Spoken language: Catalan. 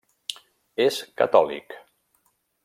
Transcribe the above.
És catòlic.